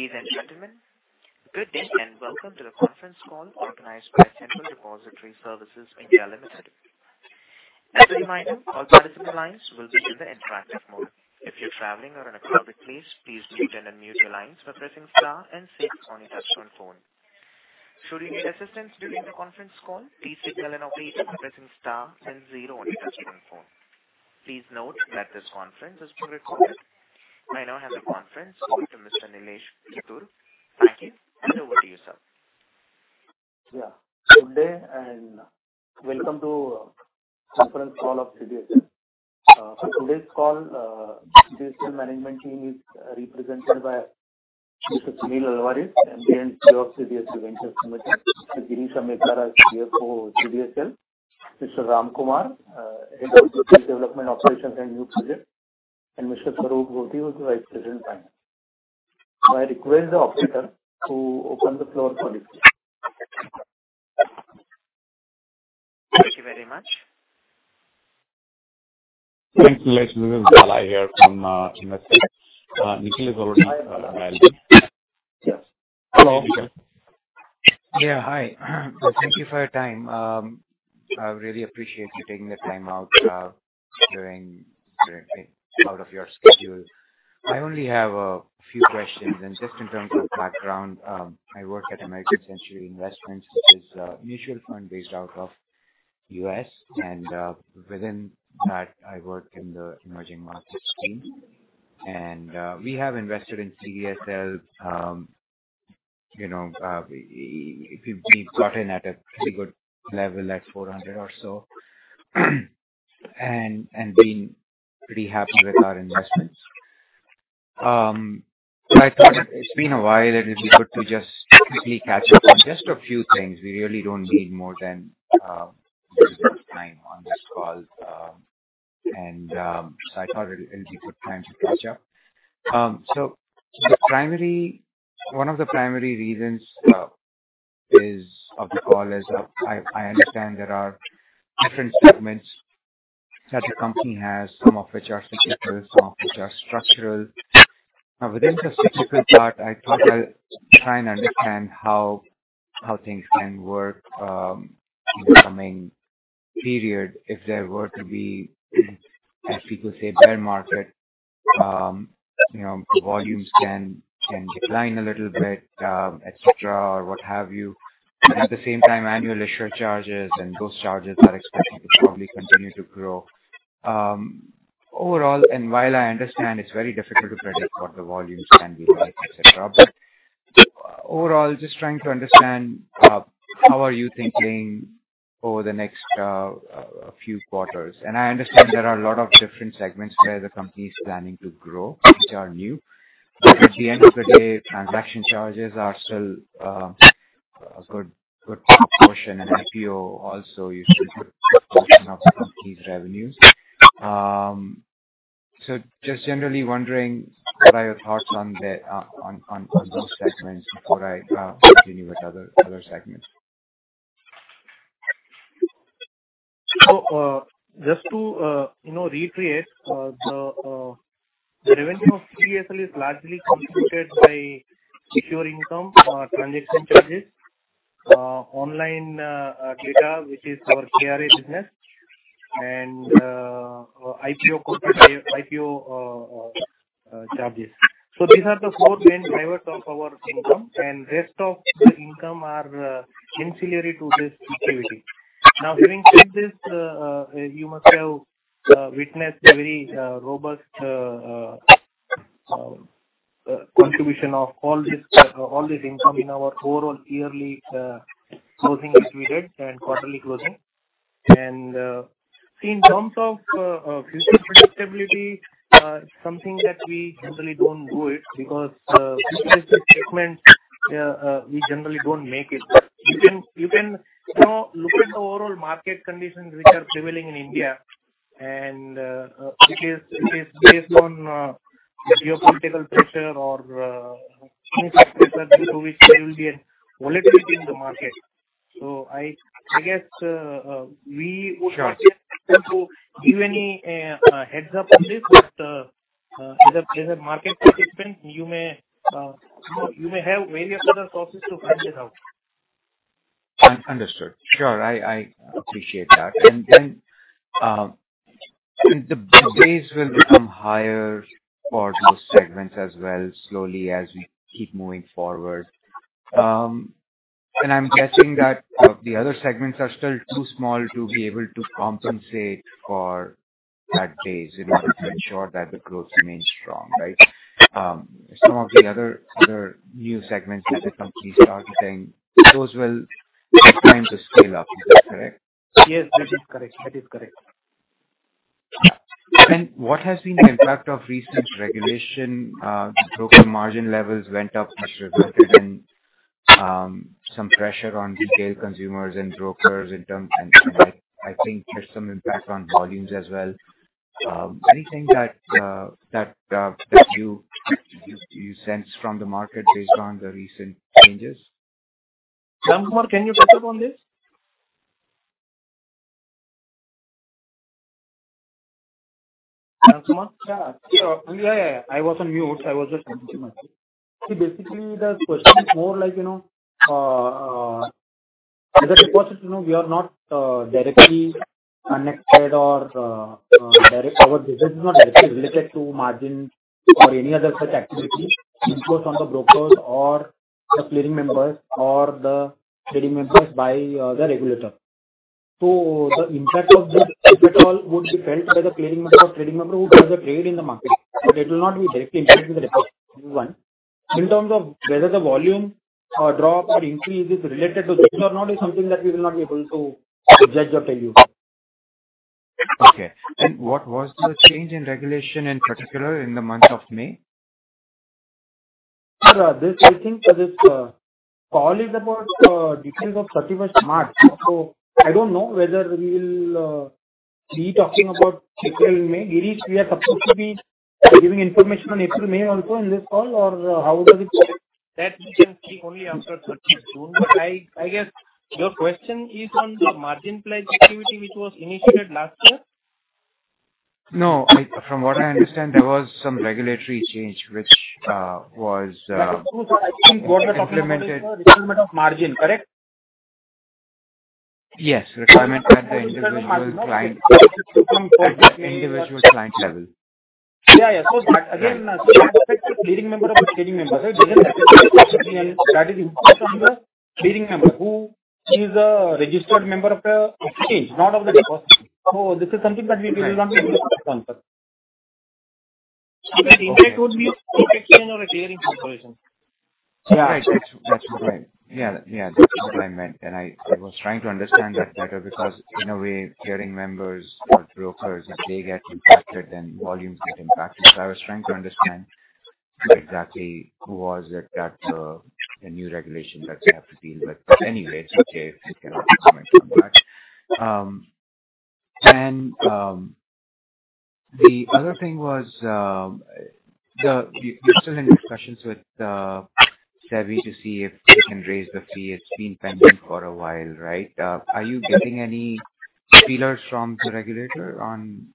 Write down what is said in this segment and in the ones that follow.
Ladies and gentlemen, good day and welcome to the conference call organized by Central Depository Services (India) Limited. As a reminder, all participant lines will be in the interactive mode. If you're traveling or in a public place, please mute and unmute your lines by pressing star and six on your touchtone phone. Should you need assistance during the conference call, please signal an operator by pressing star and zero on your touchtone phone. Please note that this conference is being recorded. I now hand the conference over to Mr. Nilesh Kittur. Thank you, and over to you, sir. Yeah. Good day and welcome to conference call of CDSL. For today's call, CDSL management team is represented by Mr. Sunil Alvares, MD & CEO of CDSL Ventures Limited, Mr. Girish Amesara, our CFO, CDSL, Mr. Ramkumar K, Head of Business Development, Operations, and New Projects, and Mr. Swaroop Gothi, who is Vice President, Finance. I request the operator to open the floor for questions. Thank you very much. Thanks, Nikhil Bala here from QMS. Nikhil is already on the line. Yes. Hello. Yeah, hi. Thank you for your time. I really appreciate you taking the time out of your schedule. I only have a few questions. Just in terms of background, I work at American Century Investments, which is a mutual fund based out of U.S. Within that I work in the emerging markets team. We have invested in CDSL, you know, if we've gotten at a pretty good level at 400 or so, and been pretty happy with our investments. I thought it's been a while, and it'd be good to just quickly catch up on just a few things. We really don't need more than little bit of time on this call. I thought it'll be good time to catch up. One of the primary reasons for the call is, I understand there are different segments that the company has, some of which are cyclical, some of which are structural. Now, within the cyclical part, I thought I'll try and understand how things can work in the coming period if there were to be, as people say, bear market. You know, volumes can decline a little bit, et cetera, or what have you. At the same time, annual issuer charges and those charges are expected to probably continue to grow. Overall, while I understand it's very difficult to predict what the volumes can be like, et cetera, overall, just trying to understand how are you thinking over the next few quarters. I understand there are a lot of different segments where the company is planning to grow, which are new. At the end of the day, transaction charges are still a good proportion. IPO also is a good proportion of the company's revenues. Just generally wondering what are your thoughts on those segments before I continue with other segments. Just to, you know, reiterate, the revenue of CDSL is largely contributed by recurring income, transaction charges, online trade, which is our CRA business, and IPO cost, IPO charges. These are the four main drivers of our income, and rest of the income are ancillary to this activity. Now, during COVID, you must have witnessed a very robust contribution of all this income in our overall yearly closing which we did and quarterly closing. See, in terms of future predictability, something that we generally don't do it because future statements we generally don't make it. You can, you know, look at the overall market conditions which are prevailing in India, and it is based on geopolitical pressure or any factor due to which there will be a volatility in the market. I guess we would. Sure. not be able to give any heads-up on this. As a market participant, you may have various other sources to find this out. Understood. Sure. I appreciate that. The base will become higher for those segments as well, slowly as we keep moving forward. I'm guessing that the other segments are still too small to be able to compensate for that base in order to ensure that the growth remains strong, right? Some of the other new segments that the company is targeting, those will take time to scale up. Is that correct? Yes, that is correct. That is correct. What has been the impact of recent regulation? Broker margin levels went up, which resulted in some pressure on retail consumers and brokers. I think there's some impact on volumes as well. Anything that you sense from the market based on the recent changes? Ramkumar, can you touch upon this? Yeah. I was on mute. Okay. What was the change in regulation in particular in the month of May? Sir, I think this call is about details of thirty-first March. I don't know whether we will be talking about April and May. Girish, we are supposed to be giving information on April, May also in this call or how is it? That we can see only after thirteenth June. I guess your question is on the margin pledge activity which was initiated last year. No. From what I understand, there was some regulatory change which was That's true, sir. I think what the government did is the requirement of margin, correct? Yes. Requirement at the individual client level. Yeah, yeah. That again, that affects the clearing member of the trading member. It doesn't affect the depository. That is imposed on the clearing member who is a registered member of the exchange, not of the depository. This is something that we will not be able to answer. Now, that impact would be a depository or a clearing corporation. Right. That's okay. Yeah. Yeah, that's what I meant. I was trying to understand that better because in a way, clearing members or brokers, if they get impacted, then volumes get impacted. I was trying to understand exactly who was it that the new regulation that they have to deal with. Anyway, it's okay if you cannot comment on that. The other thing was, you're still in discussions with SEBI to see if they can raise the fee. It's been pending for a while, right? Are you getting any feelers from the regulator on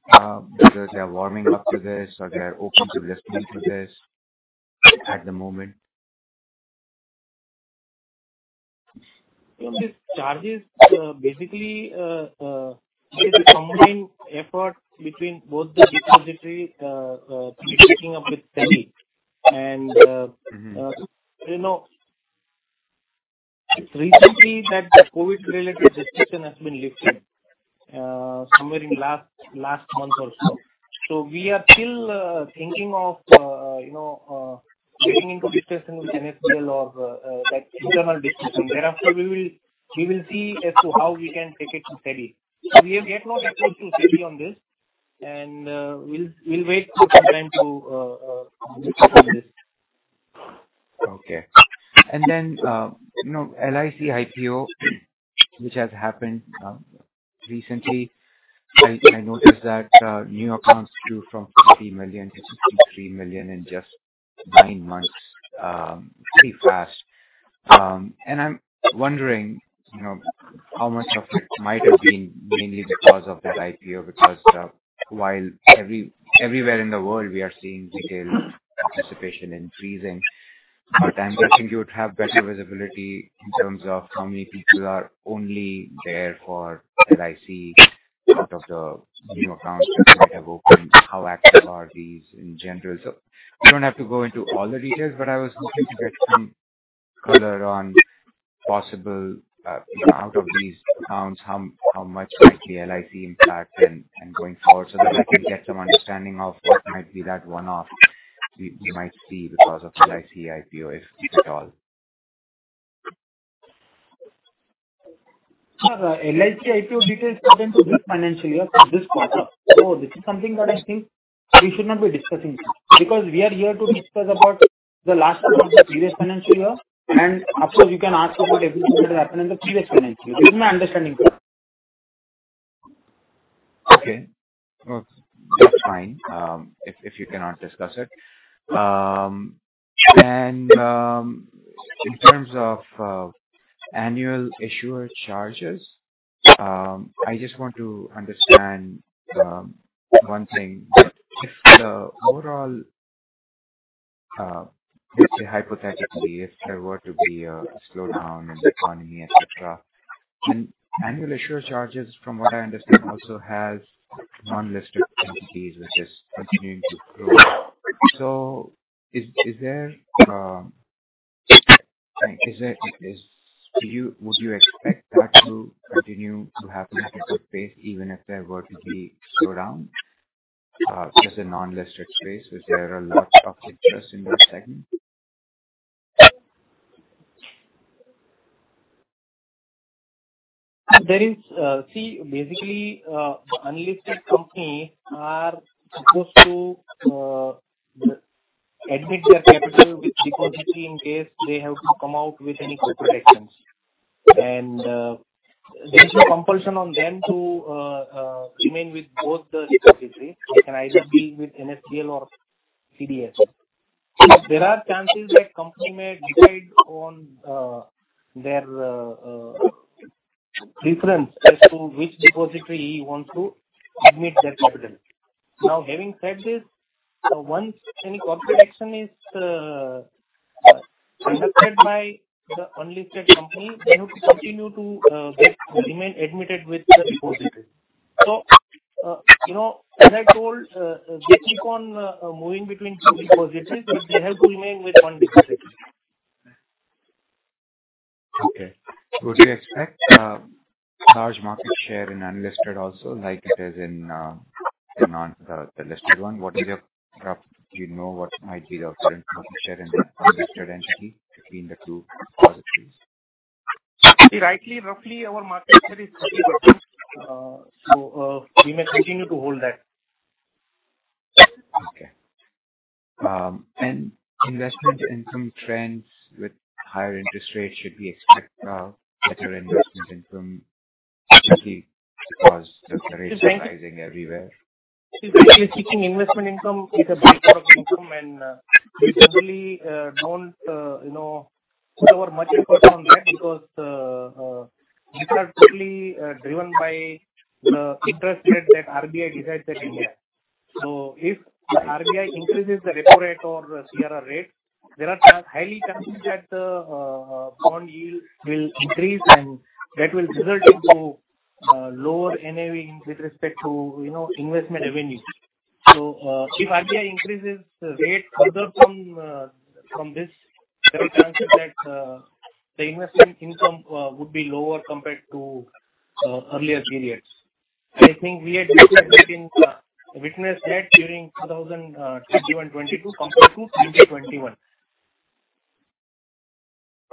whether they are warming up to this or they're open to listening to this at the moment? These charges, basically, is a combined effort between both the depository, taking up with SEBI and, Mm-hmm. You know, recently that the COVID-related restriction has been lifted, somewhere in last month or so. We are still thinking of, you know, getting into discussion with NSDL or that internal discussion. Thereafter we will see as to how we can take it to SEBI. We have yet not approached to SEBI on this and, we'll wait for some time to come to SEBI with this. Okay. You know, LIC IPO which has happened recently. I noticed that new accounts grew from 50 million-63 million in just nine months, pretty fast. I'm wondering, you know, how much of it might have been mainly because of that IPO, because while everywhere in the world we are seeing retail participation increasing. I'm guessing you would have better visibility in terms of how many people are only there for LIC out of the new accounts that might have opened. How active are these in general? You don't have to go into all the details, but I was looking to get some color on possible, you know, out of these accounts, how much might be LIC impact and going forward so that I can get some understanding of what might be that one-off we might see because of LIC IPO, if at all. Sir, LIC IPO details came into this financial year, this quarter. This is something that I think we should not be discussing because we are here to discuss about the last quarter previous financial year. Of course you can ask about everything that happened in the previous financial year. This is my understanding, sir. Okay. Well, that's fine, if you cannot discuss it. In terms of annual issuer charges, I just want to understand one thing. If the overall, let's say hypothetically, if there were to be a slowdown in the economy, et cetera, then annual issuer charges from what I understand also has non-listed entities which is continuing to grow. Is there? Would you expect that to continue to happen at a good pace even if there were to be slowdown, as a non-listed space? Is there a lot of interest in that segment? There is, the unlisted companies are supposed to admit their capital with depository in case they have to come out with any corporate actions. There is no compulsion on them to remain with both the depository. They can either be with NSDL or CDSL. There are chances that company may decide on their preference as to which depository he wants to admit their capital. Now, having said this, once any corporate action is accepted by the unlisted company, they have to continue to remain admitted with the depository. You know, as I told, they keep on moving between two depositories, but they have to remain with one depository. Okay. Would you expect large market share in unlisted also like it is in the listed one? Do you know what might be the current market share in the unlisted entity between the two depositories? See, rightly, roughly our market share is 30%. We may continue to hold that. Okay. Investment income trends with higher interest rates, should we expect better investment income, especially because the rates are rising everywhere? If I be seeking investment income, it's a back door of income and we usually don't, you know, put our much effort on that because these are totally driven by the interest rate that RBI decides in India. If RBI increases the repo rate or CRR rate, there are high chances that the bond yield will increase, and that will result into lower NAV with respect to, you know, investment revenue. If RBI increases the rate further from this, there are chances that the investment income would be lower compared to earlier periods. I think we had witnessed that during 2021, 2022 compared to 2021.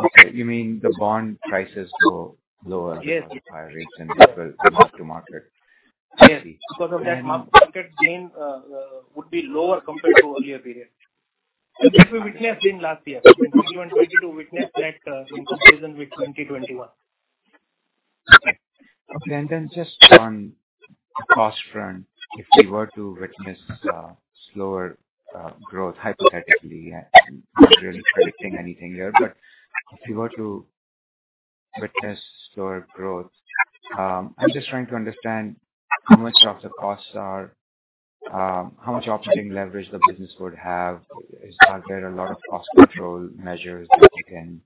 Okay. You mean the bond prices go lower? Yes. with higher rates and therefore the mark-to-market actually. Yes. Because of that mark-to-market gain would be lower compared to earlier period. Which we witnessed in last year. In 2022 we witnessed that in comparison with 2021. Okay. Just on cost front, if we were to witness slower growth hypothetically, I'm not really predicting anything here, but if we were to witness slower growth, I'm just trying to understand how much of the costs are, how much operating leverage the business would have. Are there a lot of cost control measures that you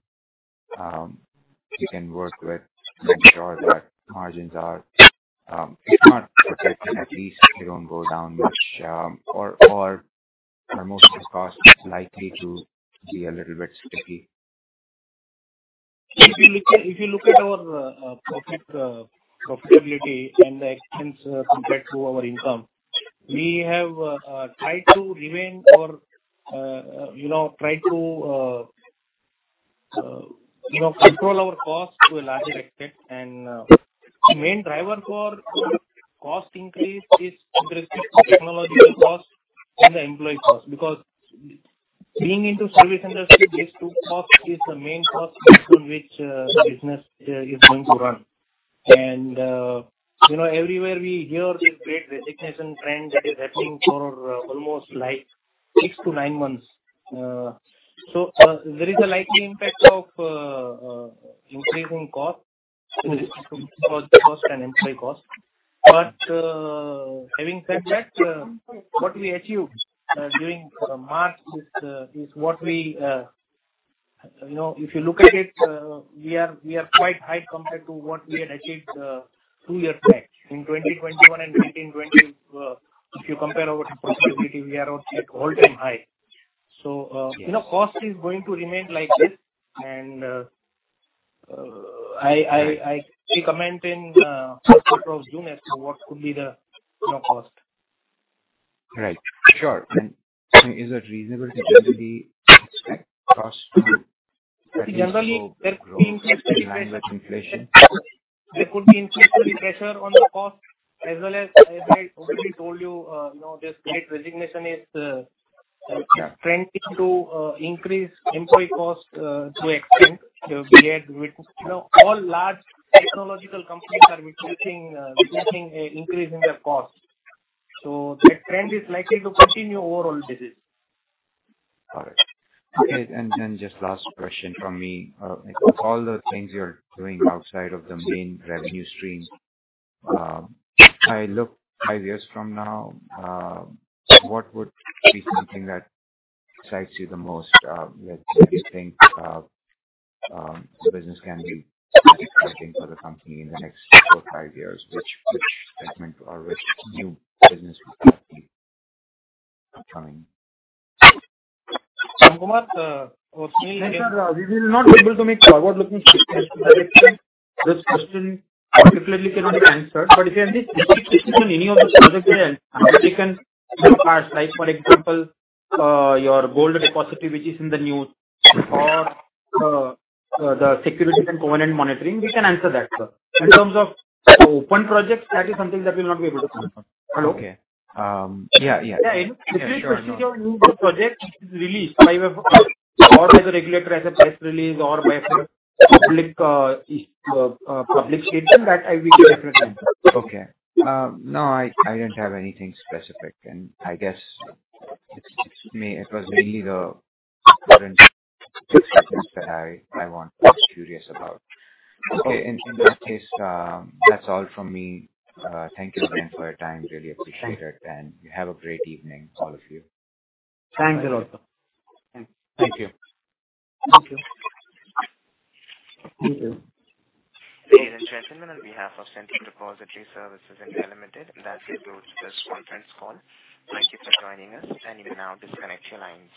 can work with to ensure that margins are, if not protected, at least they don't go down much, or are most of the costs likely to be a little bit sticky? If you look at our profitability and the expense compared to our income, we have tried to, you know, control our cost to a larger extent. The main driver for cost increase is investment technological cost and the employee cost. Because being into service industry, these two costs is the main cost based on which the business is going to run. You know, everywhere we hear this Great Resignation trend that is happening for almost like 6-9 months. There is a likely impact of increasing cost in respect to our cost and employee cost. Having said that, what we achieved during March is what we... You know, if you look at it, we are quite high compared to what we had achieved two years back. In 2021 and 2020, if you compare our profitability, we are at all-time high. You know, cost is going to remain like this. I recommend in quarter of June as to what could be the, you know, cost. Right. Sure. Is it reasonable to generally expect costs to? Generally there could be increase. In line with inflation? There could be inflationary pressure on the cost as well as I already told you know, this Great Resignation is trending to increase employee cost to an extent. You know, all large technological companies are witnessing an increase in their cost. That trend is likely to continue overall business. All right. Okay. Then just last question from me. All the things you're doing outside of the main revenue stream, I look five years from now, what would be something that excites you the most? Let's say you think, the business can be exciting for the company in the next 4, 5 years. Which segment or which new business would that be upcoming? Ramkumar, personally. No, sir. We will not be able to make forward-looking statements. I think this question specifically cannot be answered. If you have any specific question on any of the projects that we have on our side. For example, your gold depository, which is in the news or the Securities and Covenant Monitoring, we can answer that, sir. In terms of open projects, that is something that we'll not be able to comment on. Hello? Okay. Yeah, yeah. Yeah. Any specific questions you have? New project which is released by way of or as a regulator as a press release or by public is public knowledge that we can definitely answer. Okay. No, I didn't have anything specific, and I guess it's mainly it was mainly the current success that I was curious about. Okay. In this case, that's all from me. Thank you again for your time. Really appreciate it. Thank you. Have a great evening, all of you. Thanks a lot, sir. Thank you. Thank you. Thank you. Ladies and gentlemen, on behalf of Central Depository Services (India) Limited, that concludes this conference call. Thank you for joining us. You can now disconnect your lines.